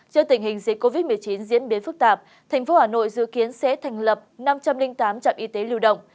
trước tình hình dịch covid một mươi chín diễn biến phức tạp thành phố hà nội dự kiến sẽ thành lập năm trăm linh tám trạm y tế lưu động